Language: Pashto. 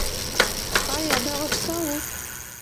ایا دا غږ ستا و؟